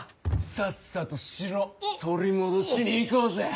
さっさと城取り戻しに行こうぜ！